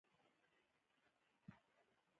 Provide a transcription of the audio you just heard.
اخطار د وروستي خبرداری دی